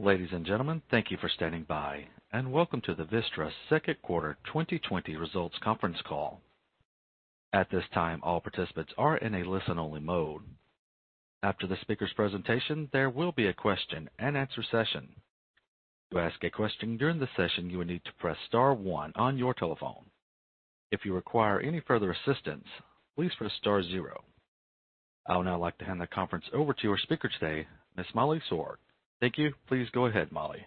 Ladies and gentlemen, thank you for standing by, and welcome to the Vistra Second Quarter 2020 Results Conference Call. At this time, all participants are in a listen-only mode. After the speaker's presentation, there will be a question-and-answer session. To ask a question during the session, you will need to press star one on your telephone. If you require any further assistance, please press star zero. I would now like to hand the conference over to our speaker today, Ms. Molly Sorg. Thank you. Please go ahead, Molly.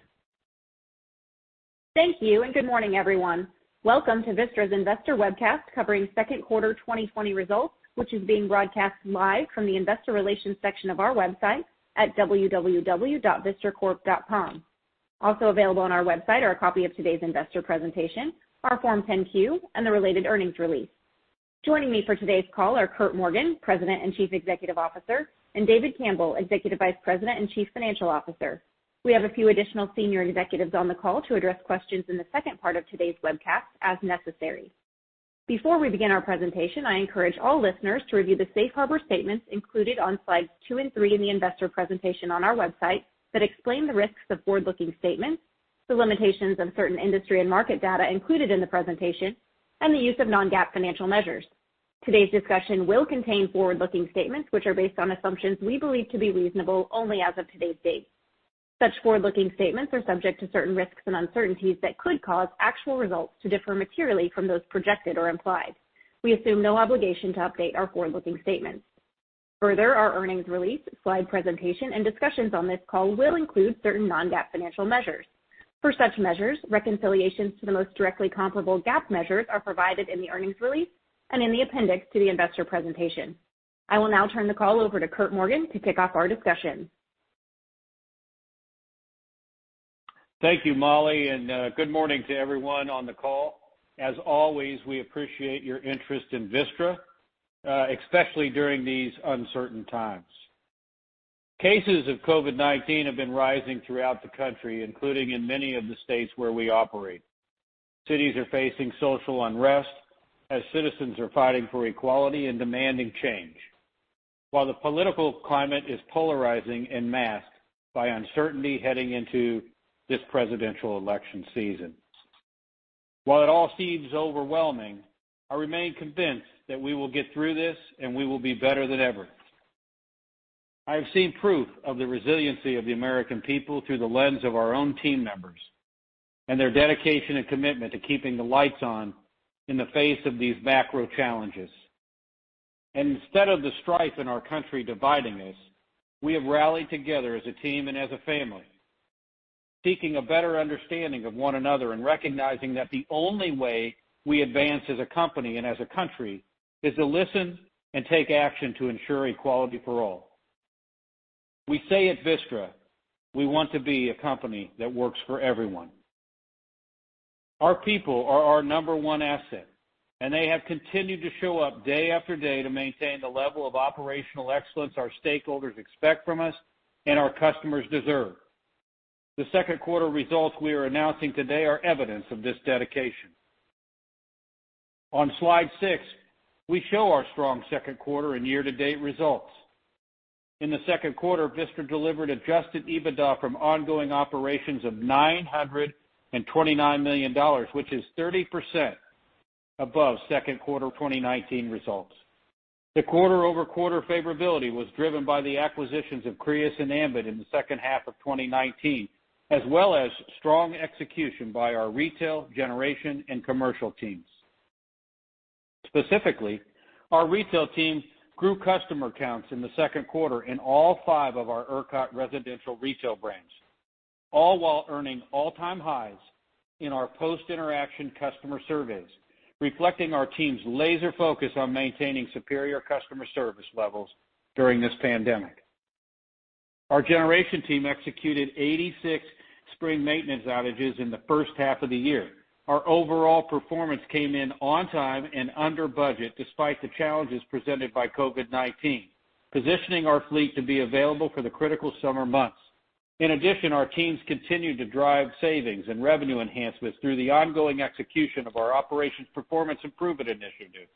Thank you, and good morning, everyone. Welcome to Vistra's investor webcast covering second quarter 2020 results, which is being broadcast live from the investor relations section of our website at www.vistracorp.com. Also available on our website are a copy of today's investor presentation, our Form 10-Q, and the related earnings release. Joining me for today's call are Curt Morgan, President and Chief Executive Officer, and David Campbell, Executive Vice President and Chief Financial Officer. We have a few additional senior executives on the call to address questions in the second part of today's webcast as necessary. Before we begin our presentation, I encourage all listeners to review the safe harbor statements included on slides two and three in the investor presentation on our website that explain the risks of forward-looking statements, the limitations of certain industry and market data included in the presentation, and the use of non-GAAP financial measures. Today's discussion will contain forward-looking statements, which are based on assumptions we believe to be reasonable only as of today's date. Such forward-looking statements are subject to certain risks and uncertainties that could cause actual results to differ materially from those projected or implied. We assume no obligation to update our forward-looking statements. Further, our earnings release, slide presentation, and discussions on this call will include certain non-GAAP financial measures. For such measures, reconciliations to the most directly comparable GAAP measures are provided in the earnings release and in the appendix to the investor presentation. I will now turn the call over to Curt Morgan to kick off our discussion. Thank you, Molly, and good morning to everyone on the call. As always, we appreciate your interest in Vistra, especially during these uncertain times. Cases of COVID-19 have been rising throughout the country, including in many of the states where we operate. Cities are facing social unrest as citizens are fighting for equality and demanding change, while the political climate is polarizing en masse by uncertainty heading into this Presidential election season. While it all seems overwhelming, I remain convinced that we will get through this, and we will be better than ever. I have seen proof of the resiliency of the American people through the lens of our own team members and their dedication and commitment to keeping the lights on in the face of these macro challenges. Instead of the strife in our country dividing us, we have rallied together as a team and as a family, seeking a better understanding of one another and recognizing that the only way we advance as a company and as a country is to listen and take action to ensure equality for all. We say at Vistra, we want to be a company that works for everyone. Our people are our number one asset, and they have continued to show up day after day to maintain the level of operational excellence our stakeholders expect from us and our customers deserve. The second quarter results we are announcing today are evidence of this dedication. On slide six, we show our strong second quarter and year-to-date results. In the second quarter, Vistra delivered adjusted EBITDA from ongoing operations of $929 million, which is 30% above second quarter 2019 results. The quarter-over-quarter favorability was driven by the acquisitions of Crius and Ambit in the second half of 2019, as well as strong execution by our retail, generation, and commercial teams. Specifically, our retail team grew customer counts in the second quarter in all five of our ERCOT residential retail brands, all while earning all-time highs in our post-interaction customer surveys, reflecting our team's laser focus on maintaining superior customer service levels during this pandemic. Our generation team executed 86 spring maintenance outages in the first half of the year. Our overall performance came in on time and under budget despite the challenges presented by COVID-19, positioning our fleet to be available for the critical summer months. Our teams continued to drive savings and revenue enhancements through the ongoing execution of our operations performance improvement initiative,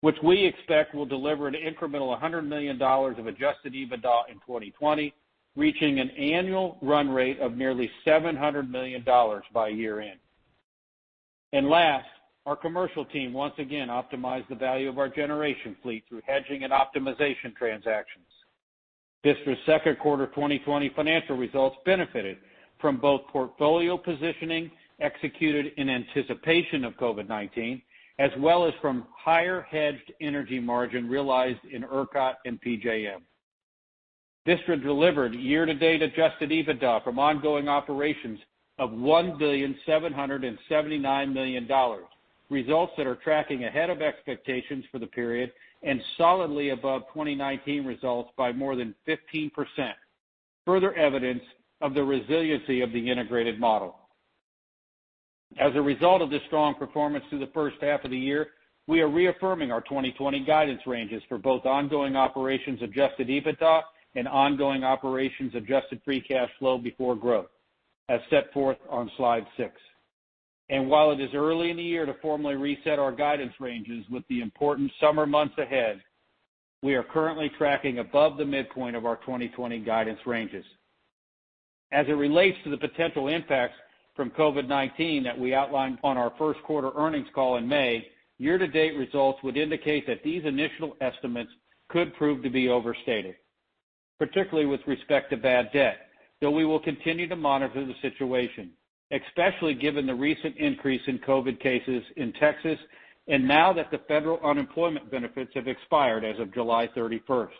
which we expect will deliver an incremental $100 million of adjusted EBITDA in 2020, reaching an annual run rate of nearly $700 million by year-end. Last, our commercial team once again optimized the value of our generation fleet through hedging and optimization transactions. Vistra's second quarter 2020 financial results benefited from both portfolio positioning executed in anticipation of COVID-19 as well as from higher hedged energy margin realized in ERCOT and PJM. Vistra delivered year-to-date adjusted EBITDA from ongoing operations of $1,779,000,000, results that are tracking ahead of expectations for the period and solidly above 2019 results by more than 15%, further evidence of the resiliency of the integrated model. As a result of this strong performance through the first half of the year, we are reaffirming our 2020 guidance ranges for both ongoing operations adjusted EBITDA and ongoing operations adjusted free cash flow before growth as set forth on slide six. While it is early in the year to formally reset our guidance ranges with the important summer months ahead, we are currently tracking above the midpoint of our 2020 guidance ranges. As it relates to the potential impacts from COVID-19 that we outlined on our first quarter earnings call in May, year-to-date results would indicate that these initial estimates could prove to be overstated, particularly with respect to bad debt. Though we will continue to monitor the situation, especially given the recent increase in COVID cases in Texas, and now that the federal unemployment benefits have expired as of July 31st.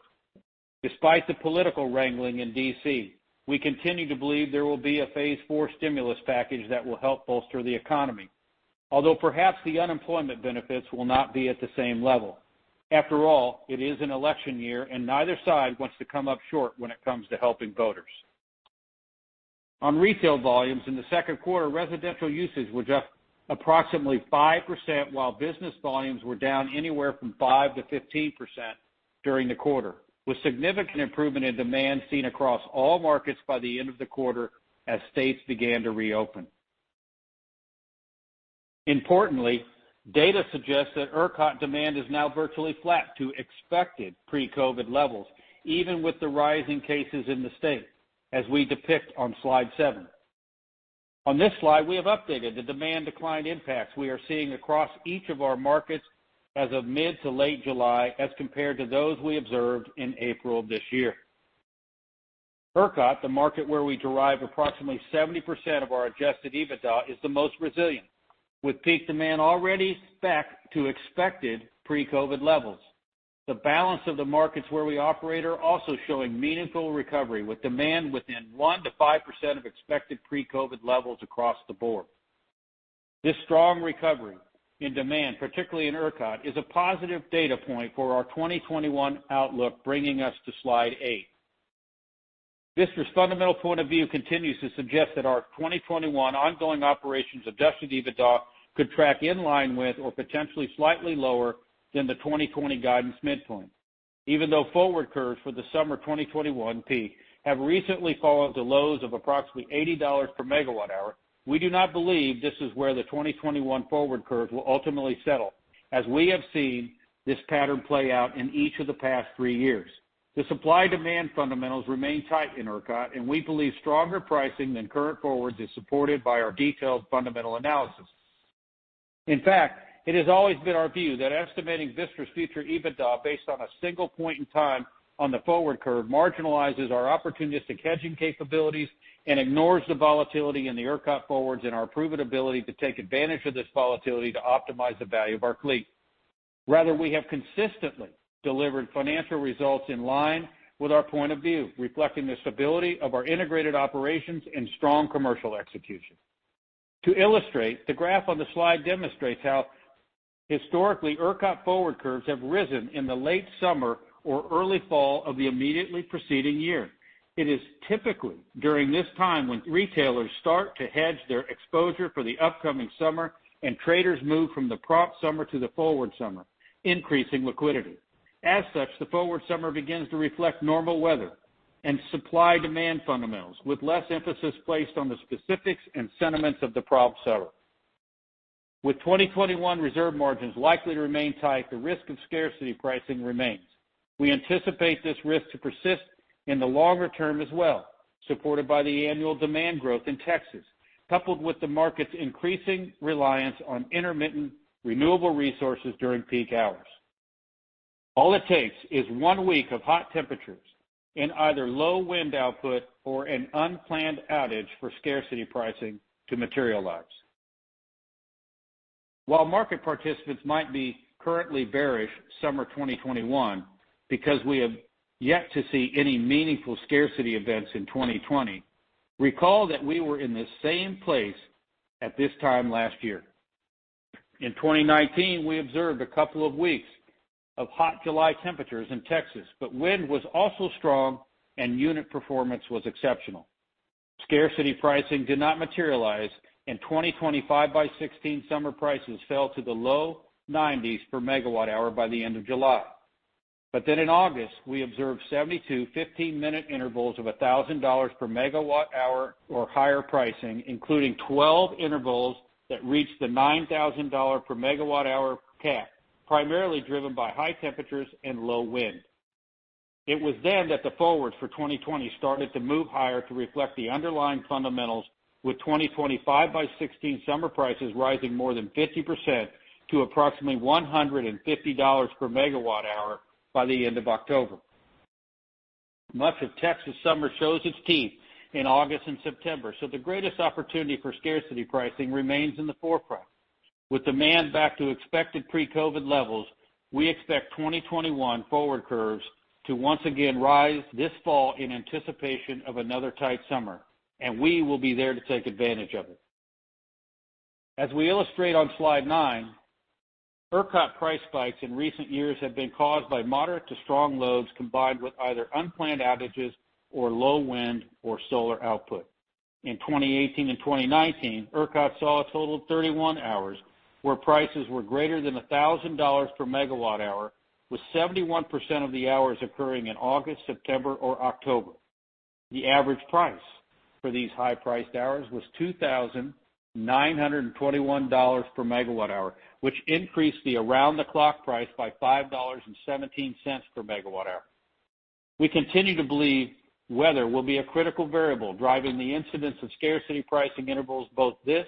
Despite the political wrangling in D.C., we continue to believe there will be a phase IV stimulus package that will help bolster the economy. Although perhaps the unemployment benefits will not be at the same level. After all, it is an election year and neither side wants to come up short when it comes to helping voters. On retail volumes in the second quarter, residential usage were just approximately 5%, while business volumes were down anywhere from 5%-15% during the quarter, with significant improvement in demand seen across all markets by the end of the quarter as states began to reopen. Importantly, data suggests that ERCOT demand is now virtually flat to expected pre-COVID levels, even with the rise in cases in the state, as we depict on slide seven. On this slide, we have updated the demand decline impacts we are seeing across each of our markets as of mid to late July, as compared to those we observed in April this year. ERCOT, the market where we derive approximately 70% of our adjusted EBITDA, is the most resilient, with peak demand already back to expected pre-COVID levels. The balance of the markets where we operate are also showing meaningful recovery, with demand within 1%-5% of expected pre-COVID levels across the board. This strong recovery in demand, particularly in ERCOT, is a positive data point for our 2021 outlook, bringing us to slide eight. Vistra's fundamental point of view continues to suggest that our 2021 ongoing operations adjusted EBITDA could track in line with or potentially slightly lower than the 2020 guidance midpoint. Even though forward curves for the summer 2021 peak have recently fallen to lows of approximately $80 per MWh, we do not believe this is where the 2021 forward curves will ultimately settle, as we have seen this pattern play out in each of the past three years. The supply-demand fundamentals remain tight in ERCOT. We believe stronger pricing than current forwards is supported by our detailed fundamental analysis. In fact, it has always been our view that estimating Vistra's future EBITDA based on a single point in time on the forward curve marginalizes our opportunistic hedging capabilities and ignores the volatility in the ERCOT forwards and our proven ability to take advantage of this volatility to optimize the value of our fleet. Rather, we have consistently delivered financial results in line with our point of view, reflecting the stability of our integrated operations and strong commercial execution. To illustrate, the graph on the slide demonstrates how historically ERCOT forward curves have risen in the late summer or early fall of the immediately preceding year. It is typically during this time when retailers start to hedge their exposure for the upcoming summer and traders move from the prompt summer to the forward summer, increasing liquidity. As such, the forward summer begins to reflect normal weather and supply-demand fundamentals with less emphasis placed on the specifics and sentiments of the prompt summer. With 2021 reserve margins likely to remain tight, the risk of scarcity pricing remains. We anticipate this risk to persist in the longer term as well, supported by the annual demand growth in Texas, coupled with the market's increasing reliance on intermittent renewable resources during peak hours. All it takes is one week of hot temperatures and either low wind output or an unplanned outage for scarcity pricing to materialize. While market participants might be currently bearish summer 2021 because we have yet to see any meaningful scarcity events in 2020, recall that we were in the same place at this time last year. In 2019, we observed a couple of weeks of hot July temperatures in Texas, but wind was also strong and unit performance was exceptional. Scarcity pricing did not materialize in 2020 5x16 summer prices fell to the low 90s per MWh by the end of July. In August, we observed 72 15-minute intervals of $1,000 per MWh or higher pricing, including 12 intervals that reached the $9,000 per MWh cap, primarily driven by high temperatures and low wind. It was then that the forwards for 2020 started to move higher to reflect the underlying fundamentals with 2020 5x16 summer prices rising more than 50% to approximately $150 per MWh by the end of October. Much of Texas summer shows its teeth in August and September, so the greatest opportunity for scarcity pricing remains in the forefront. With demand back to expected pre-COVID-19 levels, we expect 2021 forward curves to once again rise this fall in anticipation of another tight summer, and we will be there to take advantage of it. As we illustrate on slide nine, ERCOT price spikes in recent years have been caused by moderate to strong loads combined with either unplanned outages or low wind or solar output. In 2018 and 2019, ERCOT saw a total of 31 hours where prices were greater than $1,000 per MWh, with 71% of the hours occurring in August, September, or October. The average price for these high-priced hours was $2,921 per MWh, which increased the around-the-clock price by $5.17 per MWh. We continue to believe weather will be a critical variable driving the incidence of scarcity pricing intervals both this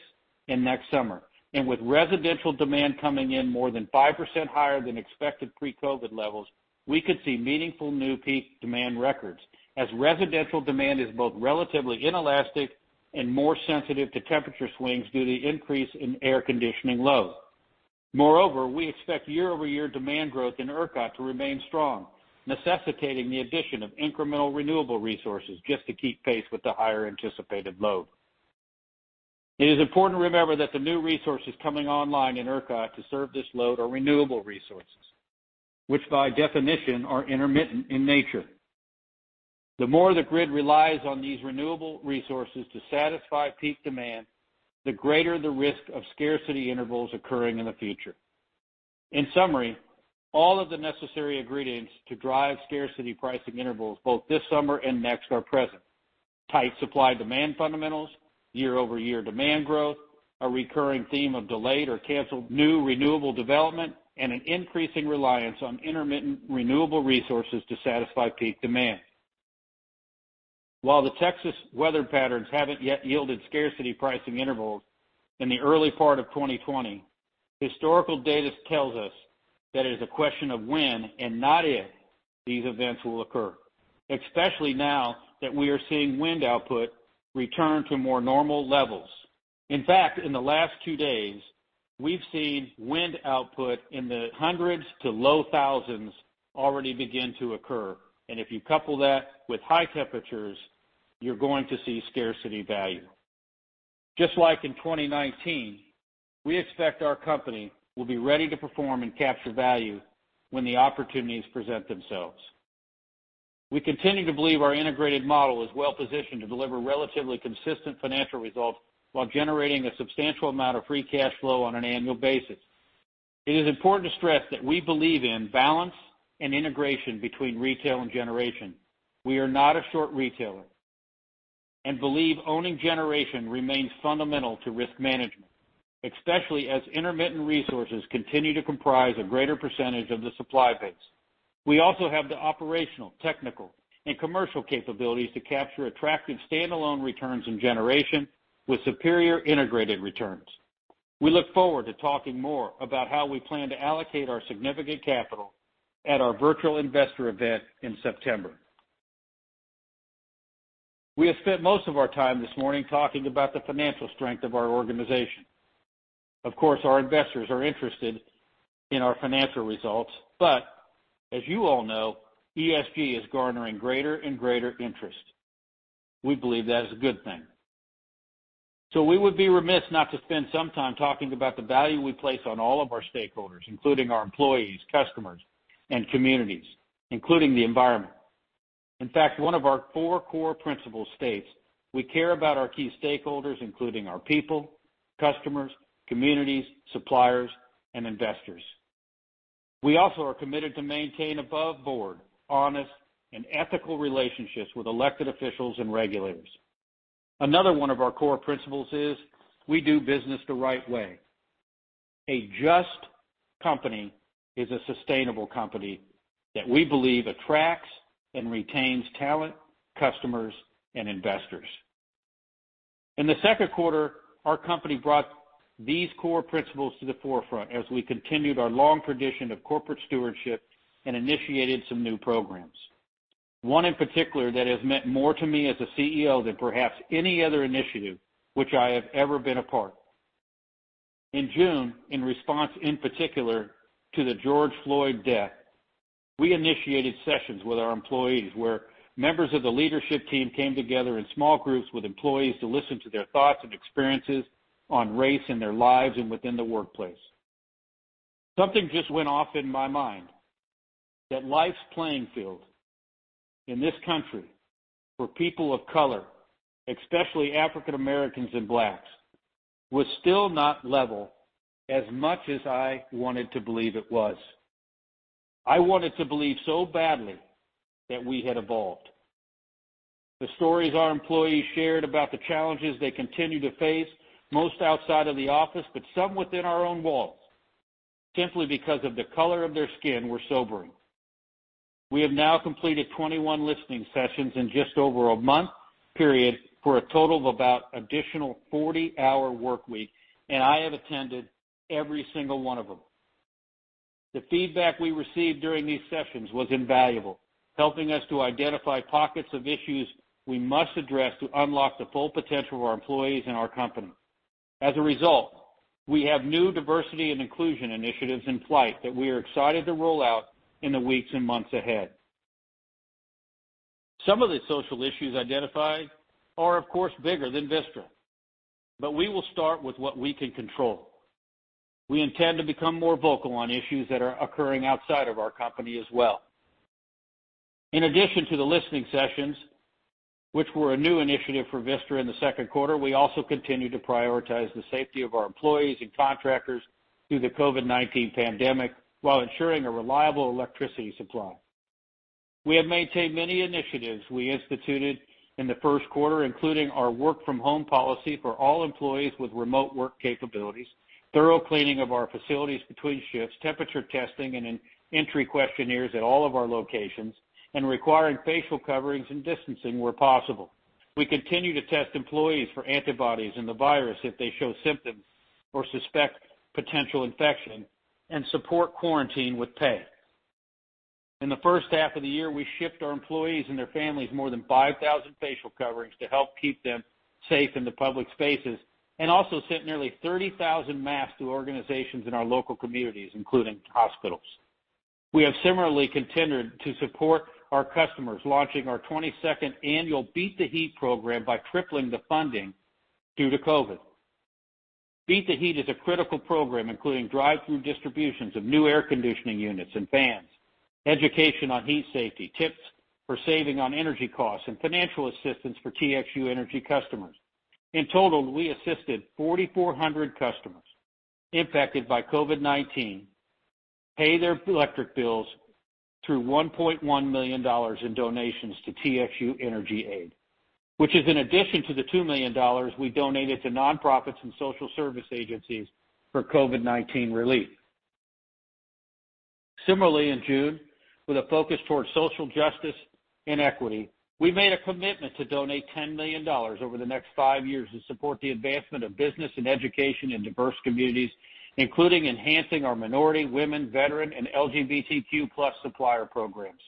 and next summer. With residential demand coming in more than 5% higher than expected pre-COVID levels, we could see meaningful new peak demand records as residential demand is both relatively inelastic and more sensitive to temperature swings due to the increase in air conditioning load. Moreover, we expect year-over-year demand growth in ERCOT to remain strong, necessitating the addition of incremental renewable resources just to keep pace with the higher anticipated load. It is important to remember that the new resources coming online in ERCOT to serve this load are renewable resources, which by definition are intermittent in nature. The more the grid relies on these renewable resources to satisfy peak demand, the greater the risk of scarcity intervals occurring in the future. In summary, all of the necessary ingredients to drive scarcity pricing intervals both this summer and next are present. Tight supply-demand fundamentals, year-over-year demand growth, a recurring theme of delayed or canceled new renewable development, and an increasing reliance on intermittent renewable resources to satisfy peak demand. While the Texas weather patterns haven't yet yielded scarcity pricing intervals in the early part of 2020, historical data tells us that it is a question of when and not if these events will occur, especially now that we are seeing wind output return to more normal levels. In fact, in the last twp days, we've seen wind output in the hundreds to low thousands already begin to occur. If you couple that with high temperatures, you're going to see scarcity value. Just like in 2019, we expect our company will be ready to perform and capture value when the opportunities present themselves. We continue to believe our integrated model is well-positioned to deliver relatively consistent financial results while generating a substantial amount of free cash flow on an annual basis. It is important to stress that we believe in balance and integration between retail and generation. We are not a short retailer and believe owning generation remains fundamental to risk management, especially as intermittent resources continue to comprise a greater percentage of the supply base. We also have the operational, technical, and commercial capabilities to capture attractive standalone returns in generation with superior integrated returns. We look forward to talking more about how we plan to allocate our significant capital at our virtual investor event in September. We have spent most of our time this morning talking about the financial strength of our organization. Of course, our investors are interested in our financial results, but as you all know, ESG is garnering greater and greater interest. We believe that is a good thing. We would be remiss not to spend some time talking about the value we place on all of our stakeholders, including our employees, customers, and communities, including the environment. In fact, one of our four core principles states, "We care about our key stakeholders, including our people, customers, communities, suppliers, and investors." We also are committed to maintain aboveboard, honest, and ethical relationships with elected officials and regulators. Another one of our core principles is, "We do business the right way." A just company is a sustainable company that we believe attracts and retains talent, customers, and investors. In the second quarter, our company brought these core principles to the forefront as we continued our long tradition of corporate stewardship and initiated some new programs. One in particular that has meant more to me as a CEO than perhaps any other initiative which I have ever been a part. In June, in response in particular to the George Floyd death, we initiated sessions with our employees where members of the leadership team came together in small groups with employees to listen to their thoughts and experiences on race in their lives and within the workplace. Something just went off in my mind that life's playing field in this country for people of color, especially African Americans and blacks, was still not level as much as I wanted to believe it was. I wanted to believe so badly that we had evolved. The stories our employees shared about the challenges they continue to face, most outside of the office, but some within our own walls, simply because of the color of their skin, were sobering. We have now completed 21 listening sessions in just over a month period for a total of about additional 40-hour workweek, and I have attended every single one of them. The feedback we received during these sessions was invaluable, helping us to identify pockets of issues we must address to unlock the full potential of our employees and our company. As a result, we have new diversity and inclusion initiatives in flight that we are excited to roll out in the weeks and months ahead. Some of the social issues identified are, of course, bigger than Vistra, but we will start with what we can control. We intend to become more vocal on issues that are occurring outside of our company as well. In addition to the listening sessions, which were a new initiative for Vistra in the second quarter, we also continue to prioritize the safety of our employees and contractors through the COVID-19 pandemic, while ensuring a reliable electricity supply. We have maintained many initiatives we instituted in the first quarter, including our work from home policy for all employees with remote work capabilities, thorough cleaning of our facilities between shifts, temperature testing and entry questionnaires at all of our locations, and requiring facial coverings and distancing where possible. We continue to test employees for antibodies and the virus if they show symptoms or suspect potential infection and support quarantine with pay. In the first half of the year, we shipped our employees and their families more than 5,000 facial coverings to help keep them safe in the public spaces, and also sent nearly 30,000 masks to organizations in our local communities, including hospitals. We have similarly continued to support our customers, launching our 22nd annual Beat the Heat program by tripling the funding due to COVID-19. Beat the Heat is a critical program, including drive-through distributions of new air conditioning units and fans, education on heat safety, tips for saving on energy costs, and financial assistance for TXU Energy customers. In total, we assisted 4,400 customers impacted by COVID-19 pay their electric bills through $1.1 million in donations to TXU Energy Aid, which is in addition to the $2 million we donated to nonprofits and social service agencies for COVID-19 relief. Similarly, in June, with a focus towards social justice and equity, we made a commitment to donate $10 million over the next five years to support the advancement of business and education in diverse communities, including enhancing our minority, women, veteran, and LGBTQ+ supplier programs.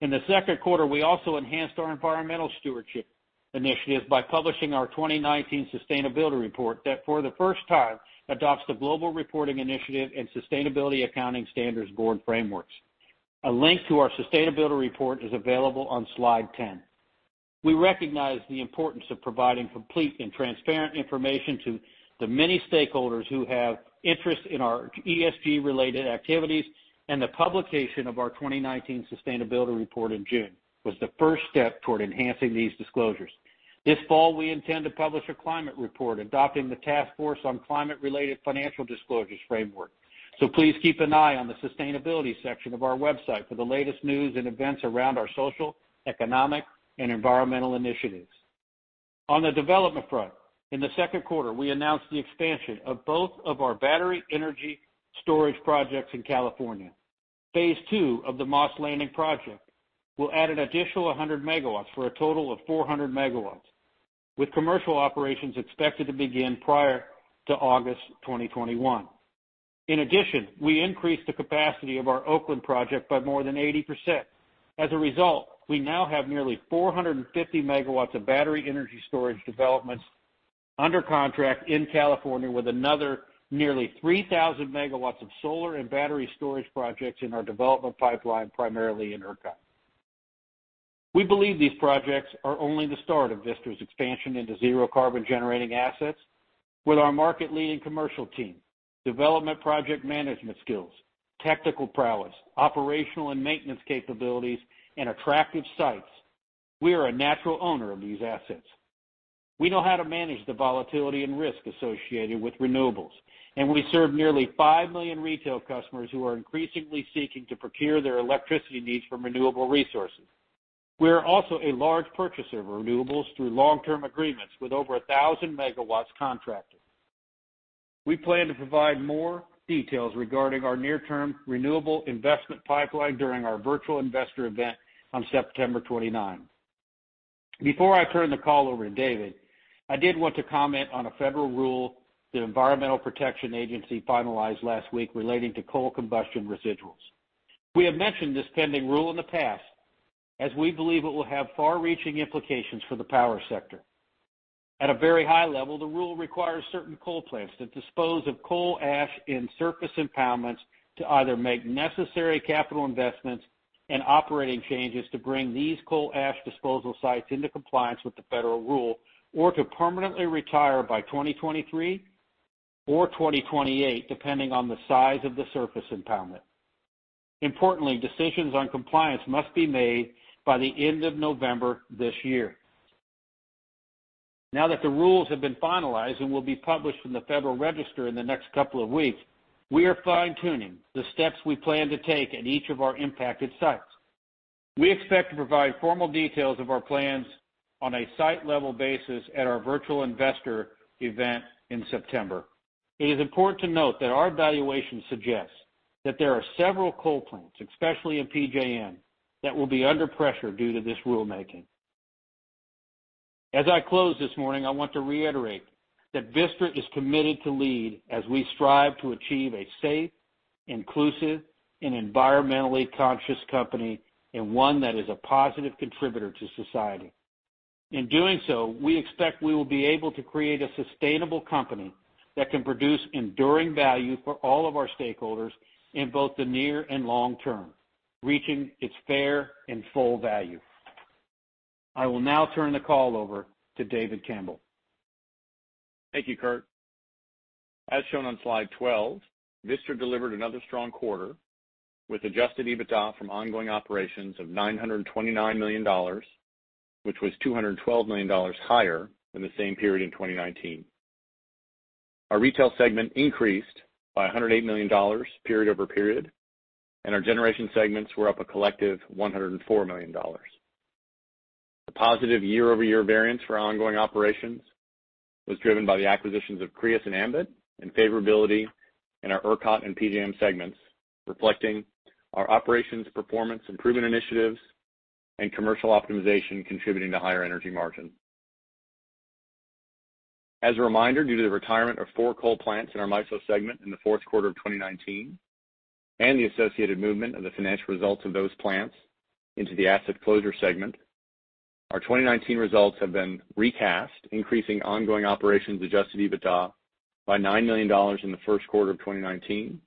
In the second quarter, we also enhanced our environmental stewardship initiatives by publishing our 2019 sustainability report that, for the first time, adopts the Global Reporting Initiative and Sustainability Accounting Standards Board frameworks. A link to our sustainability report is available on slide 10. We recognize the importance of providing complete and transparent information to the many stakeholders who have interest in our ESG-related activities, the publication of our 2019 sustainability report in June was the first step toward enhancing these disclosures. This fall, we intend to publish a climate report adopting the Task Force on Climate-related Financial Disclosures framework. Please keep an eye on the sustainability section of our website for the latest news and events around our social, economic, and environmental initiatives. On the development front, in the second quarter, we announced the expansion of both of our battery energy storage projects in California. Phase two of the Moss Landing project will add an additional 100 MW for a total of 400 MW, with commercial operations expected to begin prior to August 2021. In addition, we increased the capacity of our Oakland project by more than 80%. As a result, we now have nearly 450 MW of battery energy storage developments under contract in California with another nearly 3,000 MW of solar and battery storage projects in our development pipeline, primarily in ERCOT. We believe these projects are only the start of Vistra's expansion into zero carbon generating assets. With our market-leading commercial team, development project management skills, technical prowess, operational and maintenance capabilities, and attractive sites, we are a natural owner of these assets. We know how to manage the volatility and risk associated with renewables, and we serve nearly 5 million retail customers who are increasingly seeking to procure their electricity needs from renewable resources. We are also a large purchaser of renewables through long-term agreements with over 1,000 MW contracted. We plan to provide more details regarding our near-term renewable investment pipeline during our virtual investor event on September 29th. Before I turn the call over to David, I did want to comment on a federal rule the Environmental Protection Agency finalized last week relating to coal combustion residuals. We have mentioned this pending rule in the past, as we believe it will have far-reaching implications for the power sector. At a very high level, the rule requires certain coal plants that dispose of coal ash in surface impoundments to either make necessary capital investments and operating changes to bring these coal ash disposal sites into compliance with the federal rule or to permanently retire by 2023 or 2028, depending on the size of the surface impoundment. Importantly, decisions on compliance must be made by the end of November this year. Now that the rules have been finalized and will be published in the Federal Register in the next couple of weeks, we are fine-tuning the steps we plan to take at each of our impacted sites. We expect to provide formal details of our plans on a site-level basis at our virtual investor event in September. It is important to note that our evaluation suggests that there are several coal plants, especially in PJM, that will be under pressure due to this rulemaking. As I close this morning, I want to reiterate that Vistra is committed to lead as we strive to achieve a safe, inclusive, and environmentally conscious company, and one that is a positive contributor to society. In doing so, we expect we will be able to create a sustainable company that can produce enduring value for all of our stakeholders in both the near and long term, reaching its fair and full value. I will now turn the call over to David Campbell. Thank you, Curt. As shown on slide 12, Vistra delivered another strong quarter with adjusted EBITDA from ongoing operations of $929 million, which was $212 million higher than the same period in 2019. Our retail segment increased by $108 million period-over-period, and our generation segments were up a collective $104 million. The positive year-over-year variance for our ongoing operations was driven by the acquisitions of Crius and Ambit, and favorability in our ERCOT and PJM segments, reflecting our operations performance improvement initiatives and commercial optimization contributing to higher energy margin. As a reminder, due to the retirement of four coal plants in our MISO segment in the fourth quarter of 2019, and the associated movement of the financial results of those plants into the asset closure segment, our 2019 results have been recast, increasing ongoing operations adjusted EBITDA by $9 million in the first quarter of 2019,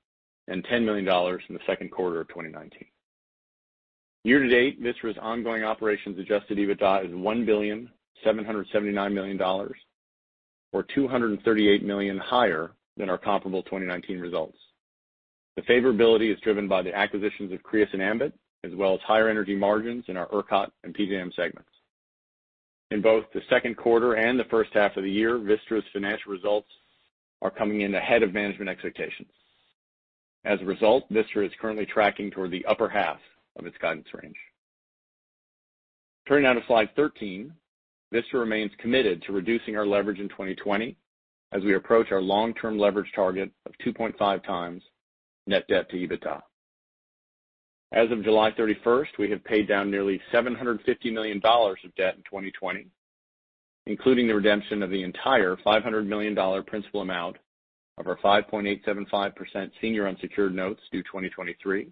and $10 million in the second quarter of 2019. Year-to-date, Vistra's ongoing operations adjusted EBITDA is $1,779,000,000, or $238 million higher than our comparable 2019 results. The favorability is driven by the acquisitions of Crius and Ambit, as well as higher energy margins in our ERCOT and PJM segments. In both the second quarter and the first half of the year, Vistra's financial results are coming in ahead of management expectations. As a result, Vistra is currently tracking toward the upper half of its guidance range. Turning now to slide 13, Vistra remains committed to reducing our leverage in 2020 as we approach our long-term leverage target of 2.5x net debt to EBITDA. As of July 31st, we have paid down nearly $750 million of debt in 2020, including the redemption of the entire $500 million principal amount of our 5.875% senior unsecured notes due 2023,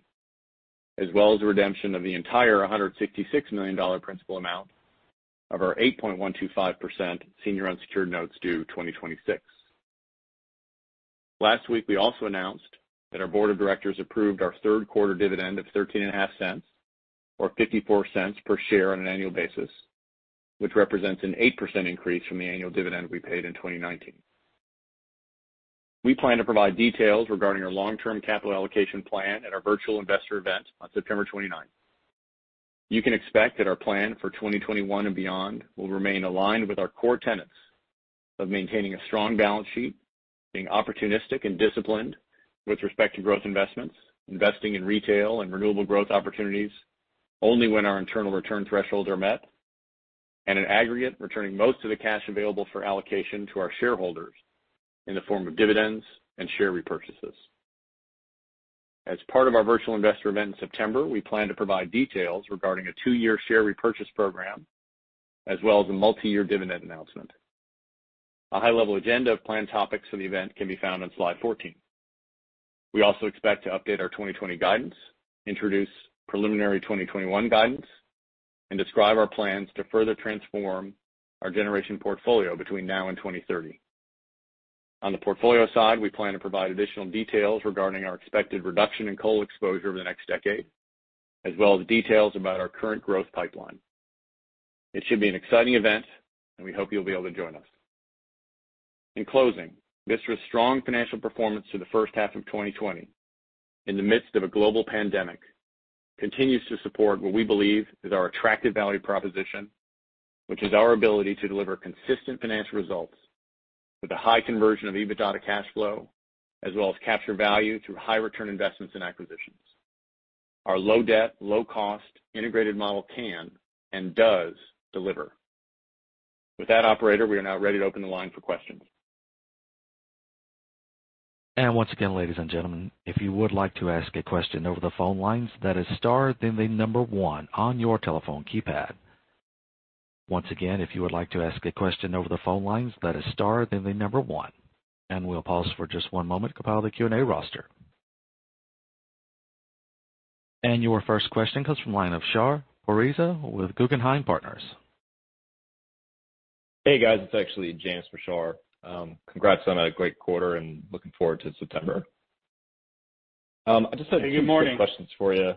as well as the redemption of the entire $166 million principal amount of our 8.125% senior unsecured notes due 2026. Last week, we also announced that our board of directors approved our third quarter dividend of $0.135, or $0.54 per share on an annual basis, which represents an 8% increase from the annual dividend we paid in 2019. We plan to provide details regarding our long-term capital allocation plan at our virtual investor event on September 29th. You can expect that our plan for 2021 and beyond will remain aligned with our core tenets of maintaining a strong balance sheet, being opportunistic and disciplined with respect to growth investments, investing in retail and renewable growth opportunities only when our internal return thresholds are met, and in aggregate, returning most of the cash available for allocation to our shareholders in the form of dividends and share repurchases. As part of our virtual investor event in September, we plan to provide details regarding a two-year share repurchase program, as well as a multiyear dividend announcement. A high-level agenda of planned topics for the event can be found on slide 14. We also expect to update our 2020 guidance, introduce preliminary 2021 guidance, and describe our plans to further transform our generation portfolio between now and 2030. On the portfolio side, we plan to provide additional details regarding our expected reduction in coal exposure over the next decade, as well as details about our current growth pipeline. It should be an exciting event, and we hope you'll be able to join us. In closing, Vistra's strong financial performance for the first half of 2020 in the midst of a global pandemic continues to support what we believe is our attractive value proposition, which is our ability to deliver consistent financial results with a high conversion of EBITDA to cash flow, as well as capture value through high-return investments and acquisitions. Our low-debt, low-cost integrated model can and does deliver. With that, operator, we are now ready to open the line for questions. Once again, ladies and gentlemen, if you would like to ask a question over the phone lines, that is star, then the number one on your telephone keypad. Once again, if you would like to ask a question over the phone lines, that is star, then the number one. We'll pause for just one moment to compile the Q&A roster. Your first question comes from the line of Shahriar Pourreza with Guggenheim Partners. Hey, guys. It's actually James for Shar. Congrats on a great quarter, and looking forward to September. I just have two quick questions for you.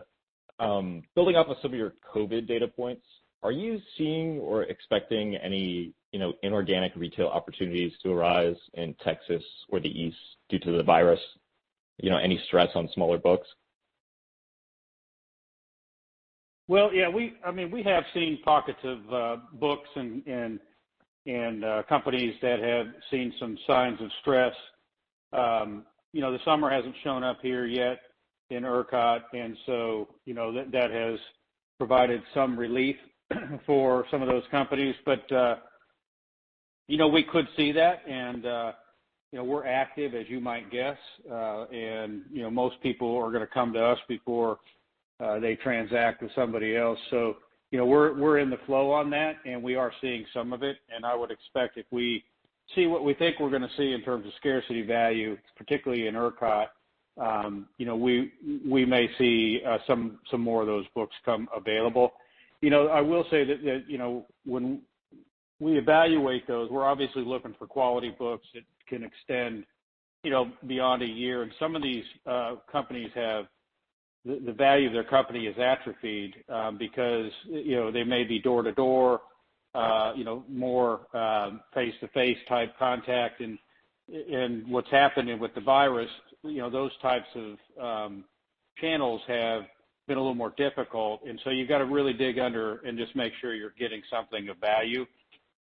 Building off of some of your COVID data points, are you seeing or expecting any inorganic retail opportunities to arise in Texas or the East due to the virus? Any stress on smaller books? Well, yeah. We have seen pockets of books and companies that have seen some signs of stress. The summer hasn't shown up here yet in ERCOT. That has provided some relief for some of those companies. We could see that, and we're active, as you might guess. Most people are going to come to us before they transact with somebody else. We're in the flow on that, and we are seeing some of it, and I would expect if we see what we think we're going to see in terms of scarcity value, particularly in ERCOT, we may see some more of those books come available. I will say that when we evaluate those, we're obviously looking for quality books that can extend beyond a year. Some of these companies, the value of their company is atrophied because they may be door-to-door, more face-to-face type contact. What's happening with the virus, those types of channels have been a little more difficult, so you've got to really dig under and just make sure you're getting something of value.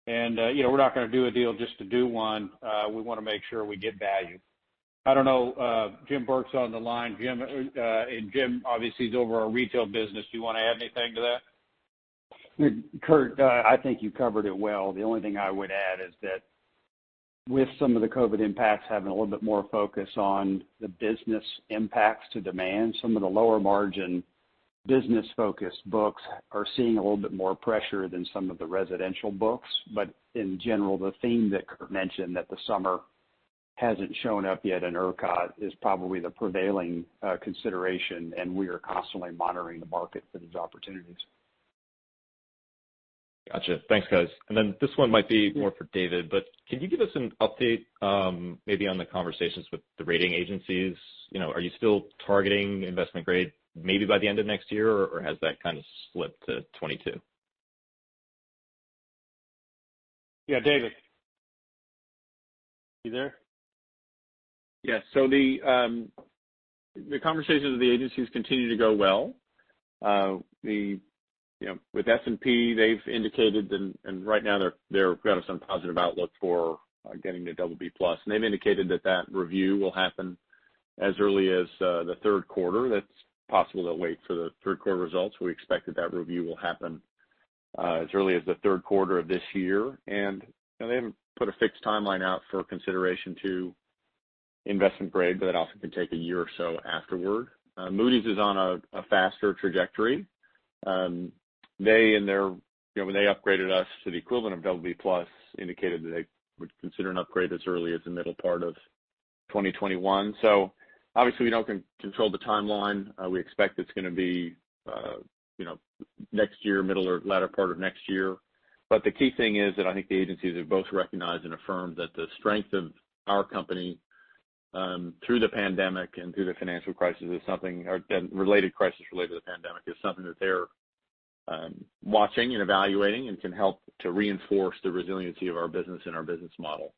We're not going to do a deal just to do one. We want to make sure we get value. I don't know. Jim Burke's on the line. Jim, obviously, is over our retail business. Do you want to add anything to that? Curt, I think you covered it well. The only thing I would add is that with some of the COVID-19 impacts having a little bit more focus on the business impacts to demand, some of the lower margin business-focused books are seeing a little bit more pressure than some of the residential books. In general, the theme that Curt mentioned that the summer hasn't shown up yet in ERCOT is probably the prevailing consideration, and we are constantly monitoring the market for these opportunities. Got you. Thanks, guys. This one might be more for David, but can you give us an update maybe on the conversations with the rating agencies? Are you still targeting investment grade maybe by the end of next year, or has that kind of slipped to 2022? Yeah, David. You there? Yes. The conversations with the agencies continue to go well. With S&P, they've indicated, and right now they've got us on positive outlook for getting to BB+. They've indicated that that review will happen as early as the third quarter. That's possible they'll wait for the third quarter results. We expect that that review will happen as early as the third quarter of this year. They haven't put a fixed timeline out for consideration to investment grade, but that often can take a year or so afterward. Moody's is on a faster trajectory. When they upgraded us to the equivalent of BB+, indicated that they would consider an upgrade as early as the middle part of 2021. Obviously, we don't control the timeline. We expect it's going to be next year, middle or latter part of next year. The key thing is that I think the agencies have both recognized and affirmed that the strength of our company through the pandemic and through the financial crisis or related crisis related to the pandemic, is something that they're watching and evaluating and can help to reinforce the resiliency of our business and our business model.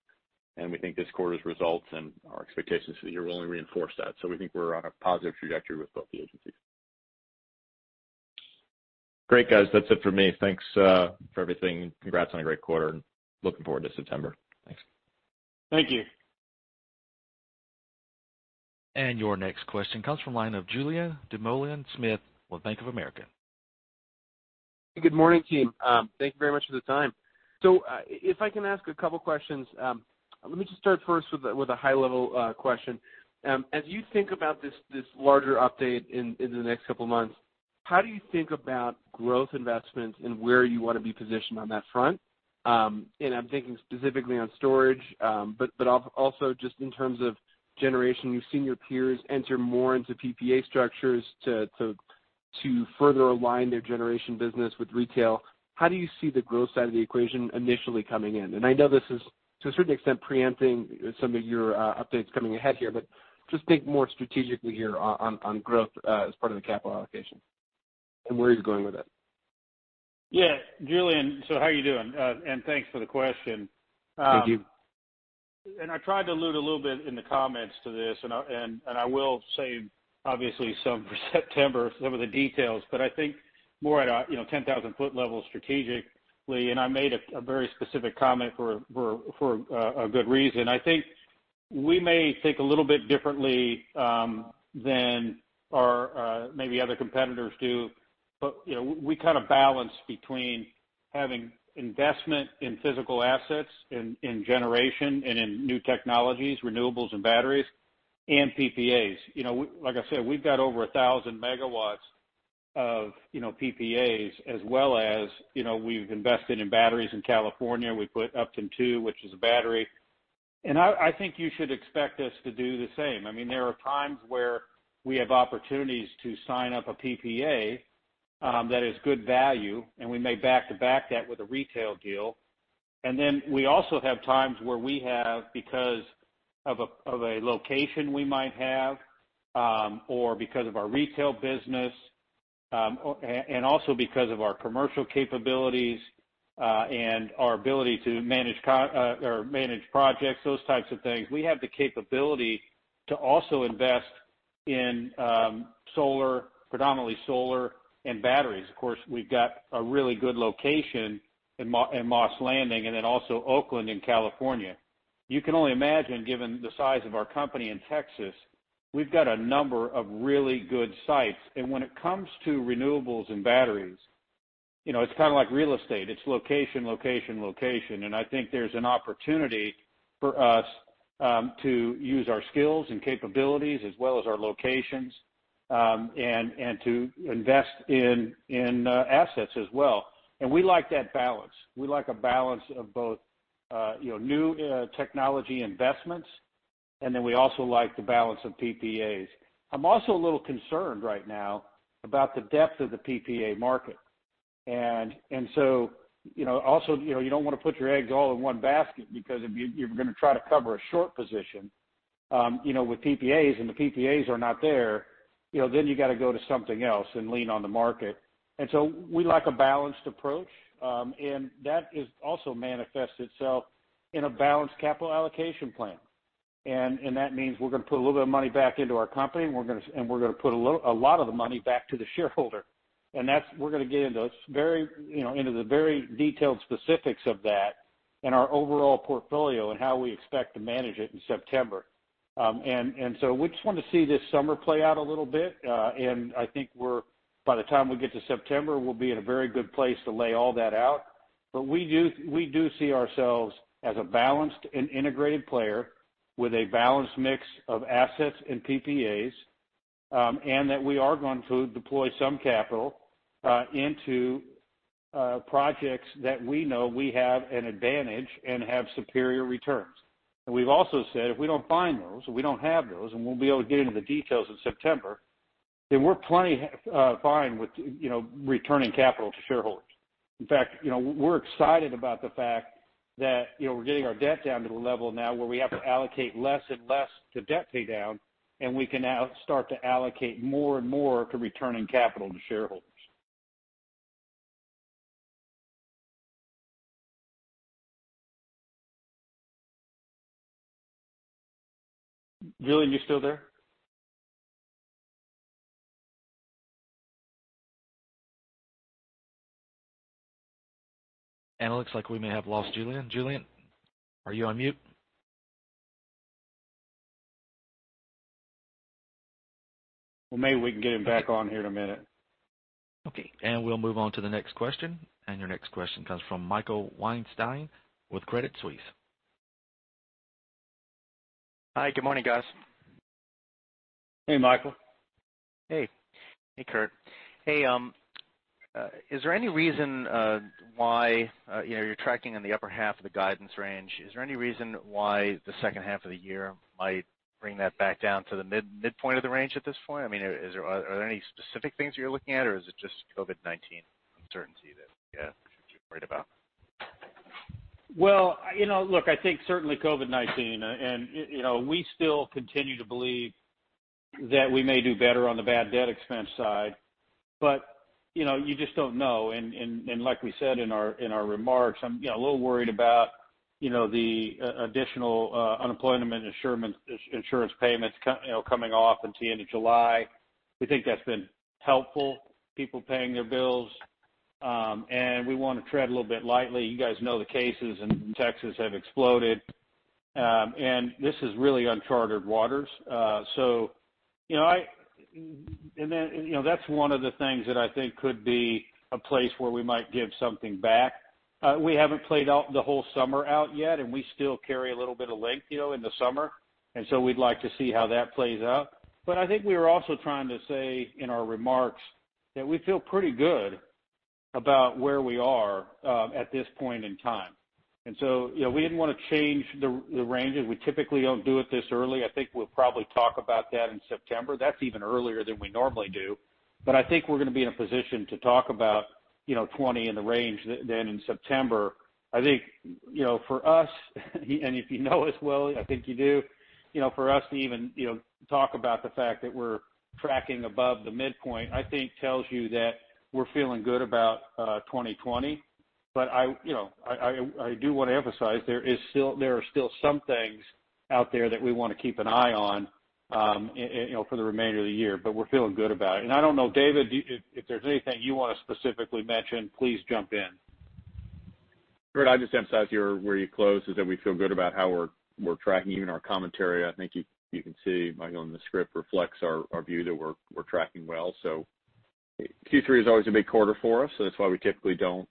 We think this quarter's results and our expectations for the year will only reinforce that. We think we're on a positive trajectory with both the agencies. Great, guys. That's it for me. Thanks for everything. Congrats on a great quarter, and looking forward to September. Thanks. Thank you. Your next question comes from the line of Julien Dumoulin-Smith with Bank of America. Good morning, team. Thank you very much for the time. If I can ask a couple questions. Let me just start first with a high-level question. As you think about this larger update in the next couple of months, how do you think about growth investments and where you want to be positioned on that front? I'm thinking specifically on storage. Also just in terms of generation, we've seen your peers enter more into PPA structures to further align their generation business with retail. How do you see the growth side of the equation initially coming in? I know this is, to a certain extent, preempting some of your updates coming ahead here, but just think more strategically here on growth as part of the capital allocation and where are you going with it? Yeah. Julien, how are you doing? Thanks for the question. Thank you. I tried to allude a little bit in the comments to this, I will save obviously some for September, some of the details. I think more at a 10,000 ft level strategically, and I made a very specific comment for a good reason. I think we may think a little bit differently than maybe other competitors do. We kind of balance between having investment in physical assets in generation and in new technologies, renewables and batteries, and PPAs. Like I said, we've got over 1,000 MW of PPAs as well as we've invested in batteries in California. We put Upton 2, which is a battery. I think you should expect us to do the same. There are times where we have opportunities to sign up a PPA that is good value, and we may back-to-back that with a retail deal. We also have times where we have, because of a location we might have, or because of our retail business, also because of our commercial capabilities, and our ability to manage projects, those types of things. We have the capability to also invest in predominantly solar and batteries. Of course, we've got a really good location in Moss Landing and then also Oakland in California. You can only imagine, given the size of our company in Texas, we've got a number of really good sites. When it comes to renewables and batteries, it's kind of like real estate. It's location, location. I think there's an opportunity for us to use our skills and capabilities as well as our locations, and to invest in assets as well. We like that balance. We like a balance of both new technology investments, we also like the balance of PPAs. I'm also a little concerned right now about the depth of the PPA market. You don't want to put your eggs all in one basket because if you're going to try to cover a short position with PPAs and the PPAs are not there, then you got to go to something else and lean on the market. We like a balanced approach, and that has also manifested itself in a balanced capital allocation plan. That means we're going to put a little bit of money back into our company, and we're going to put a lot of the money back to the shareholder. We're going to get into the very detailed specifics of that in our overall portfolio and how we expect to manage it in September. We just want to see this summer play out a little bit. I think by the time we get to September, we'll be in a very good place to lay all that out. We do see ourselves as a balanced and integrated player with a balanced mix of assets and PPAs, and that we are going to deploy some capital into projects that we know we have an advantage and have superior returns. We've also said, if we don't find those, or we don't have those, and we'll be able to get into the details in September, then we're plenty fine with returning capital to shareholders. In fact, we're excited about the fact that we're getting our debt down to the level now where we have to allocate less and less to debt paydown, and we can now start to allocate more and more to returning capital to shareholders. Julien, you still there? Anna, looks like we may have lost Julien. Julien, are you on mute? Well, maybe we can get him back on here in a minute. Okay. We'll move on to the next question. Your next question comes from Michael Weinstein with Credit Suisse. Hi, good morning, guys. Hey, Michael. Hey. Hey, Curt. Is there any reason why you're tracking in the upper half of the guidance range? Is there any reason why the second half of the year might bring that back down to the midpoint of the range at this point? I mean, are there any specific things you're looking at, or is it just COVID-19 uncertainty that you're worried about? Well, look, I think certainly COVID-19. We still continue to believe that we may do better on the bad debt expense side, but you just don't know. Like we said in our remarks, I'm a little worried about the additional unemployment insurance payments coming off into the end of July. We think that's been helpful, people paying their bills. We want to tread a little bit lightly. You guys know the cases in Texas have exploded. This is really uncharted waters. That's one of the things that I think could be a place where we might give something back. We haven't played the whole summer out yet, and we still carry a little bit of length in the summer. We'd like to see how that plays out. I think we were also trying to say in our remarks that we feel pretty good about where we are at this point in time. We didn't want to change the ranges. We typically don't do it this early. I think we'll probably talk about that in September. That's even earlier than we normally do. I think we're going to be in a position to talk about 2020 in the range then in September. I think for us, and if you know us well, I think you do. For us to even talk about the fact that we're tracking above the midpoint, I think tells you that we're feeling good about 2020. I do want to emphasize, there are still some things out there that we want to keep an eye on for the remainder of the year, but we're feeling good about it. I don't know, David, if there's anything you want to specifically mention, please jump in. Curt, I'd just emphasize where you closed, is that we feel good about how we're tracking. Even our commentary, I think you can see, Michael, in the script reflects our view that we're tracking well. Q3 is always a big quarter for us, so that's why we typically don't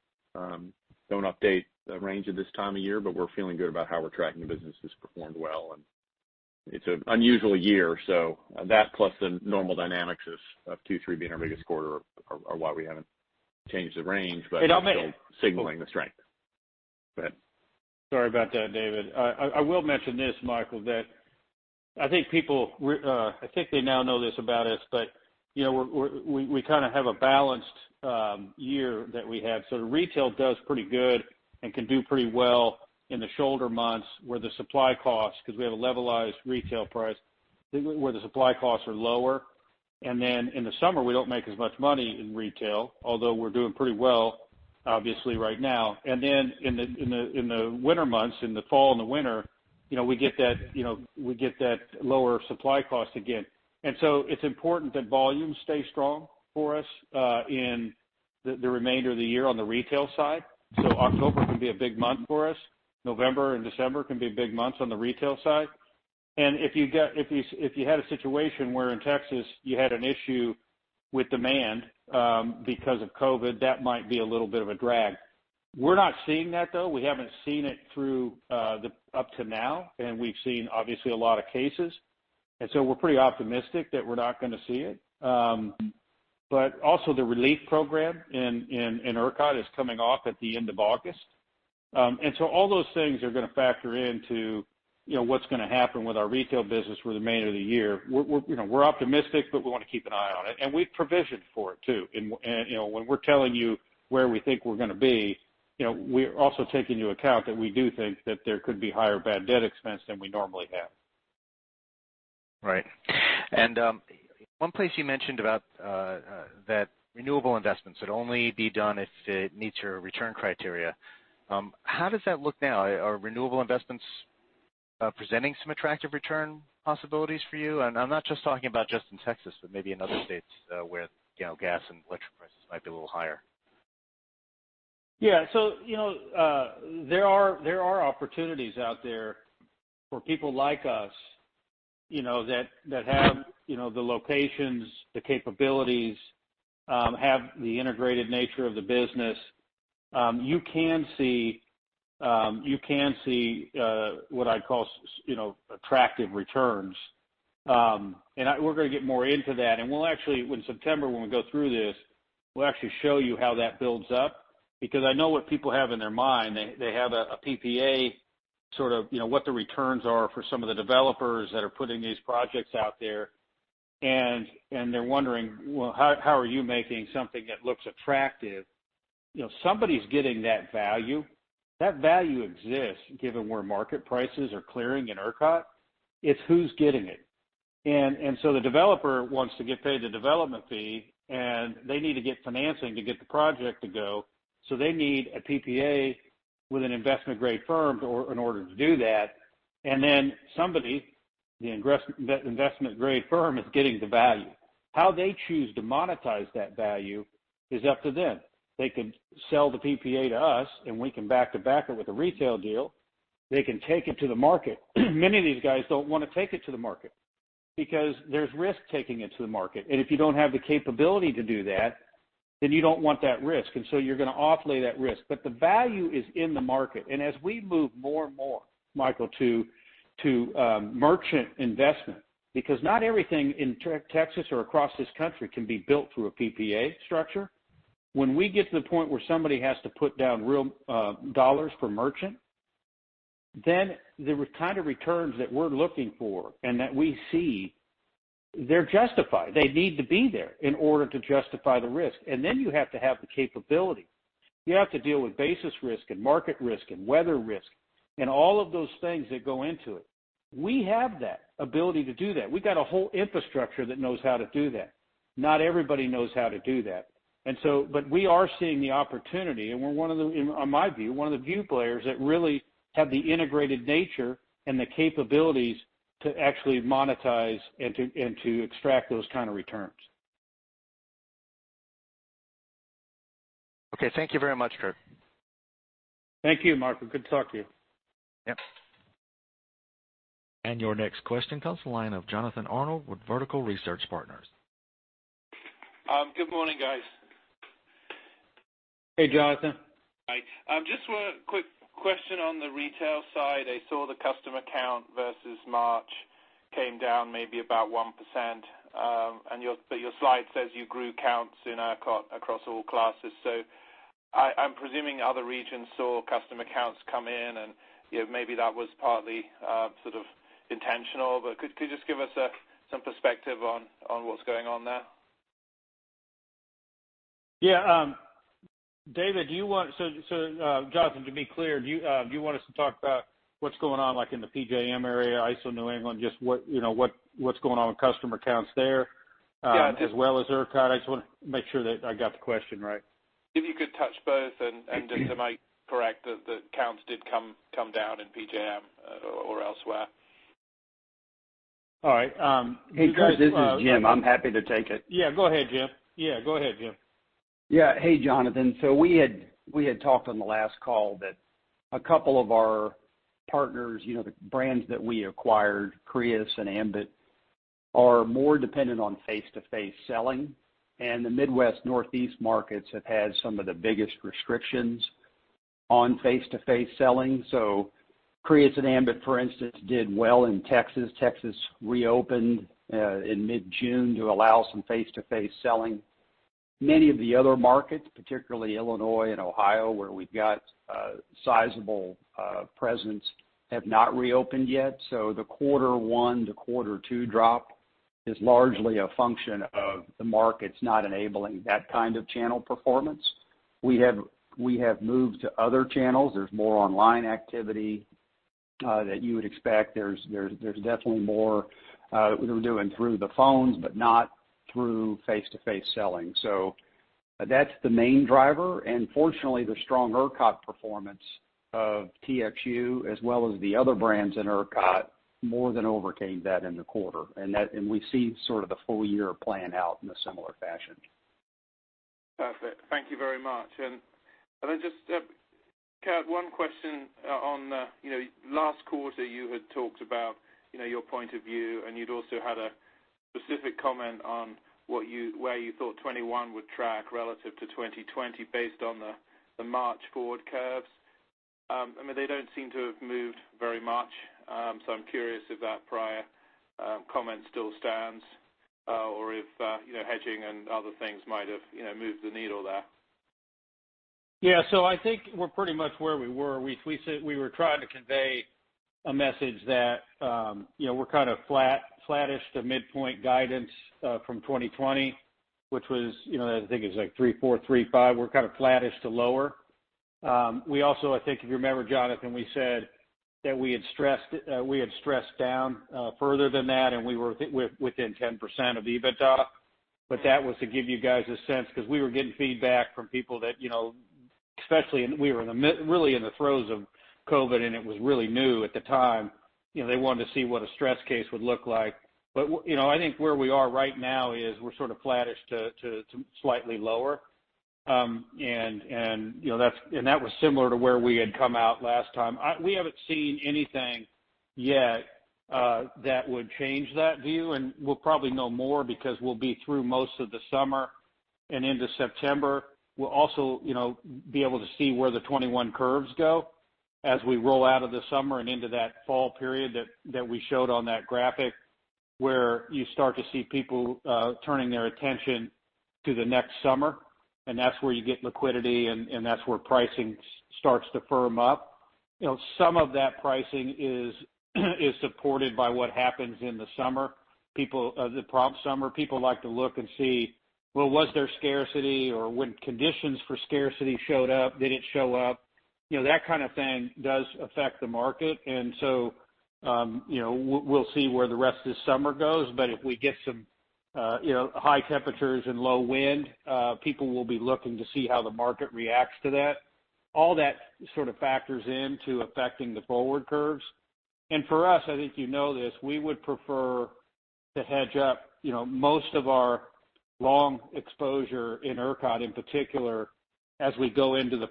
update the range at this time of year, but we're feeling good about how we're tracking. The business has performed well, and it's an unusual year. That plus the normal dynamics of Q3 being our biggest quarter are why we haven't changed the range, but still signaling the strength. Go ahead. Sorry about that, David. I will mention this, Michael, that I think people now know this about us, but we kind of have a balanced year that we have. The retail does pretty good and can do pretty well in the shoulder months where the supply costs, because we have a levelized retail price where the supply costs are lower. In the summer, we don't make as much money in retail, although we're doing pretty well obviously right now. In the winter months, in the fall and the winter, we get that lower supply cost again. It's important that volumes stay strong for us in the remainder of the year on the retail side. October can be a big month for us. November and December can be big months on the retail side. If you had a situation where in Texas you had an issue with demand because of COVID, that might be a little bit of a drag. We're not seeing that, though. We haven't seen it up to now, and we've seen obviously a lot of cases, and so we're pretty optimistic that we're not going to see it. Also the relief program in ERCOT is coming off at the end of August. All those things are going to factor into what's going to happen with our retail business for the remainder of the year. We're optimistic, but we want to keep an eye on it. We've provisioned for it, too. When we're telling you where we think we're going to be, we also take into account that we do think that there could be higher bad debt expense than we normally have Right. One place you mentioned about that renewable investments would only be done if it meets your return criteria. How does that look now? Are renewable investments presenting some attractive return possibilities for you? I'm not just talking about just in Texas, but maybe in other states where gas and electric prices might be a little higher. There are opportunities out there for people like us that have the locations, the capabilities, have the integrated nature of the business. You can see what I'd call attractive returns. We're going to get more into that. In September, when we go through this, we'll actually show you how that builds up, because I know what people have in their mind. They have a PPA, what the returns are for some of the developers that are putting these projects out there, and they're wondering, well, how are you making something that looks attractive? Somebody's getting that value. That value exists, given where market prices are clearing in ERCOT. It's who's getting it. The developer wants to get paid the development fee, and they need to get financing to get the project to go. They need a PPA with an investment-grade firm in order to do that. Somebody, the investment-grade firm, is getting the value. How they choose to monetize that value is up to them. They could sell the PPA to us, and we can back to back it with a retail deal. They can take it to the market. Many of these guys don't want to take it to the market because there's risk taking it to the market. If you don't have the capability to do that, then you don't want that risk. You're going to offload that risk. The value is in the market. As we move more and more, Michael, to merchant investment, because not everything in Texas or across this country can be built through a PPA structure. When we get to the point where somebody has to put down real dollars for merchant, the kind of returns that we're looking for and that we see, they're justified. They need to be there in order to justify the risk. You have to have the capability. You have to deal with basis risk and market risk and weather risk and all of those things that go into it. We have that ability to do that. We've got a whole infrastructure that knows how to do that. Not everybody knows how to do that. We are seeing the opportunity, and we're one of the, in my view, one of the few players that really have the integrated nature and the capabilities to actually monetize and to extract those kind of returns. Okay. Thank you very much, Curt. Thank you, Michael. Good talking to you. Yep. Your next question comes the line of Jonathan Arnold with Vertical Research Partners. Good morning, guys. Hey, Jonathan. Hi. Just one quick question on the retail side. I saw the customer count versus March came down maybe about 1%, but your slide says you grew counts in ERCOT across all classes. I'm presuming other regions saw customer counts come in, and maybe that was partly sort of intentional, but could you just give us some perspective on what's going on there? Yeah. Jonathan, to be clear, do you want us to talk about what's going on, like in the PJM area, ISO New England, just what's going on with customer counts there Yeah. --as well as ERCOT? I just want to make sure that I got the question right. If you could touch both and just am I correct that counts did come down in PJM or elsewhere? All right... Hey, guys. This is Jim. I'm happy to take it. Yeah, go ahead, Jim. Hey, Jonathan. We had talked on the last call that a couple of our partners, the brands that we acquired, Crius and Ambit, are more dependent on face-to-face selling. The Midwest, Northeast markets have had some of the biggest restrictions on face-to-face selling. Crius and Ambit, for instance, did well in Texas. Texas reopened in mid-June to allow some face-to-face selling. Many of the other markets, particularly Illinois and Ohio, where we've got a sizable presence, have not reopened yet. The Quarter One to Quarter Two drop is largely a function of the markets not enabling that kind of channel performance. We have moved to other channels. There's more online activity that you would expect. There's definitely more that we're doing through the phones, but not through face-to-face selling. That's the main driver. Fortunately, the strong ERCOT performance of TXU as well as the other brands in ERCOT more than overcame that in the quarter. We see sort of the full-year plan out in a similar fashion. Perfect. Thank you very much. Just, Curt, one question. Last quarter, you had talked about your point of view, and you'd also had a specific comment on where you thought 2021 would track relative to 2020 based on the March forward curves. They don't seem to have moved very much. I'm curious if that prior comment still stands, or if hedging and other things might have moved the needle there. Yeah. I think we're pretty much where we were. We were trying to convey a message that we're kind of flattish to midpoint guidance from 2020, which was, I think it was like 3.4, 3.5. We're kind of flattish to lower. We also, I think if you remember, Jonathan, we said that we had stressed down further than that, and we were within 10% of EBITDA. That was to give you guys a sense, because we were getting feedback from people that, especially, we were really in the throes of COVID, and it was really new at the time. They wanted to see what a stress case would look like. I think where we are right now is we're sort of flattish to slightly lower. That was similar to where we had come out last time. We haven't seen anything yet that would change that view. We'll probably know more because we'll be through most of the summer and into September. We'll also be able to see where the 2021 curves go as we roll out of the summer and into that fall period that we showed on that graphic, where you start to see people turning their attention to the next summer. That's where you get liquidity, and that's where pricing starts to firm up. Some of that pricing is supported by what happens in the summer. The prompt summer. People like to look and see, well, was there scarcity, or when conditions for scarcity showed up, they didn't show up. That kind of thing does affect the market. We'll see where the rest of the summer goes, but if we get some high temperatures and low wind, people will be looking to see how the market reacts to that. All that sort of factors into affecting the forward curves. For us, I think you know this, we would prefer to hedge up most of our long exposure in ERCOT in particular as we go into the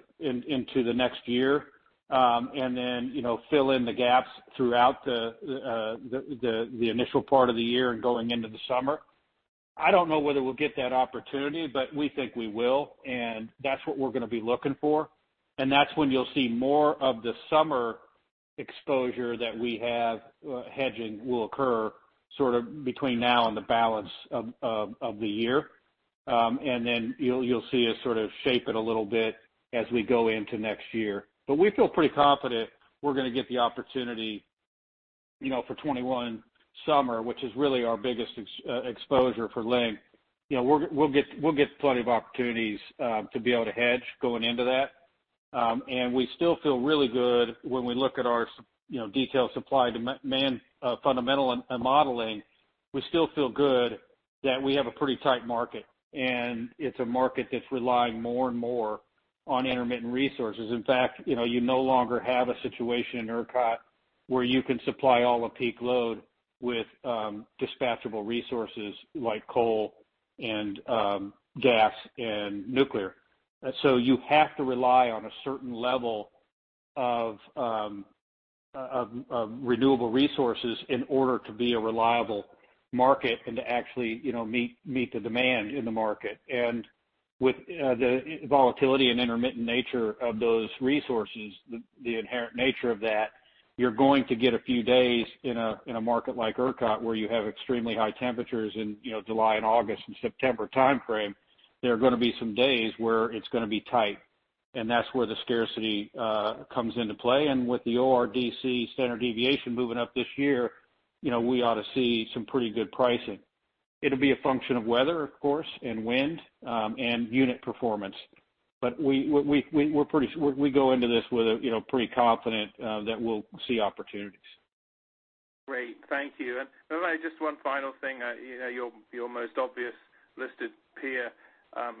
next year. Then fill in the gaps throughout the initial part of the year and going into the summer. I don't know whether we'll get that opportunity, but we think we will, and that's what we're going to be looking for. That's when you'll see more of the summer exposure that we have hedging will occur sort of between now and the balance of the year. Then you'll see us sort of shape it a little bit as we go into next year. We feel pretty confident we're going to get the opportunity for 2021 summer, which is really our biggest exposure for long. We'll get plenty of opportunities to be able to hedge going into that. We still feel really good when we look at our detailed supply demand fundamental and modeling. We still feel good that we have a pretty tight market, and it's a market that's relying more and more on intermittent resources. In fact, you no longer have a situation in ERCOT where you can supply all the peak load with dispatchable resources like coal and gas and nuclear. You have to rely on a certain level of renewable resources in order to be a reliable market and to actually meet the demand in the market. With the volatility and intermittent nature of those resources, the inherent nature of that, you're going to get a few days in a market like ERCOT where you have extremely high temperatures in July and August and September timeframe. There are going to be some days where it's going to be tight, that's where the scarcity comes into play. With the ORDC standard deviation moving up this year, we ought to see some pretty good pricing. It'll be a function of weather, of course, and wind, and unit performance. We go into this pretty confident that we'll see opportunities. Great. Thank you. Just one final thing. Your most obvious listed peer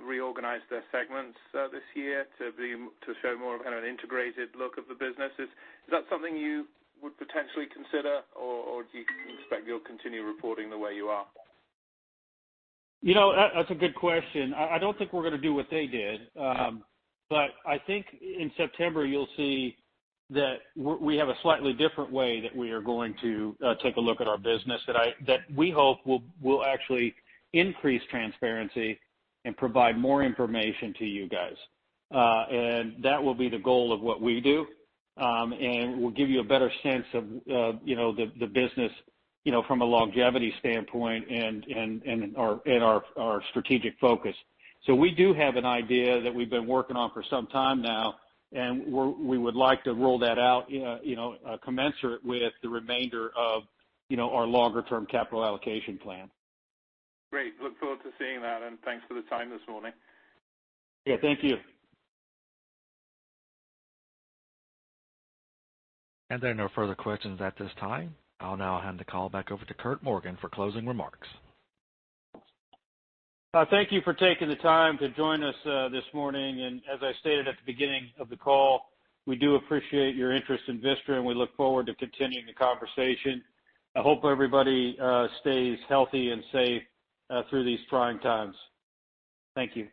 reorganized their segments this year to show more of kind of an integrated look of the businesses. Is that something you would potentially consider, or do you expect you'll continue reporting the way you are? That's a good question. I don't think we're going to do what they did. I think in September, you'll see that we have a slightly different way that we are going to take a look at our business that we hope will actually increase transparency and provide more information to you guys. That will be the goal of what we do. We'll give you a better sense of the business from a longevity standpoint and our strategic focus. We do have an idea that we've been working on for some time now, and we would like to roll that out commensurate with the remainder of our longer-term capital allocation plan. Great. Look forward to seeing that. Thanks for the time this morning. Yeah, thank you. There are no further questions at this time. I'll now hand the call back over to Curt Morgan for closing remarks. Thank you for taking the time to join us this morning. As I stated at the beginning of the call, we do appreciate your interest in Vistra, and we look forward to continuing the conversation. I hope everybody stays healthy and safe through these trying times. Thank you.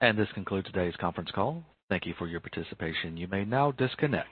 This concludes today's conference call. Thank you for your participation. You may now disconnect.